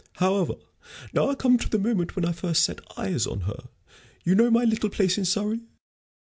However, now I come to the moment when I first set eyes on her. You know my little place in Surrey?